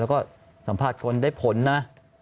แล้วก็สัมภาษณ์คนได้ผลนะ